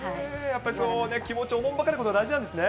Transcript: やっぱり気持ちをおもんぱかることが大事なんですね。